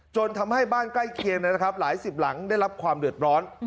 จนทำให้บ้านใกล้เคียงนะครับหลายสิบหลังได้รับความเดือดร้อน